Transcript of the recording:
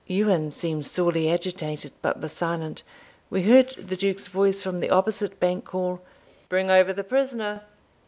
Ewan seemed sorely agitated, but was silent. We heard the Duke's voice from the opposite bank call, "Bring over the prisoner."